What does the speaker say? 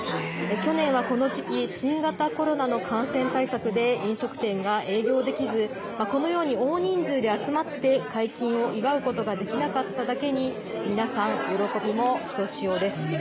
去年はこの時期、新型コロナの感染対策で、飲食店が営業できず、このように大人数で集まって解禁を祝うことができなかっただけに、皆さん、喜びもひとしおです。